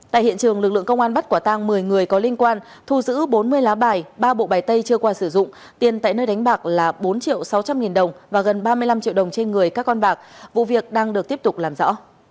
tại hiện trường lực lượng công an bắt quả tang một mươi người có liên quan thu giữ bốn mươi lá bài ba bộ bài tay chưa qua sử dụng tiền tại nơi đánh bạc là bốn triệu sáu trăm linh nghìn đồng và gần ba mươi năm triệu đồng trên người các con bạc vụ việc đang được tiếp tục làm rõ